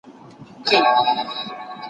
پورته شه دروېشه دا بې دينه توره ماته که